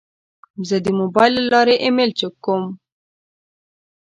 زه د موبایل له لارې ایمیل چک کوم.